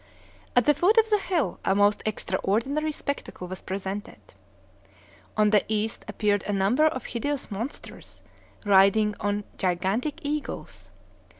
At the foot of the hill a most extraordinary spectacle was presented. On the east appeared a number of hideous monsters, riding on gigantic eagles.